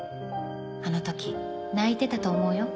あの時泣いてたと思うよ。